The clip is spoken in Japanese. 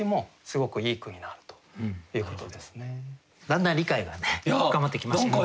だんだん理解が深まってきましたね。